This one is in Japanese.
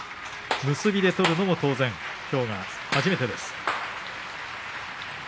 結びで取るのも当然きょうが初めてです。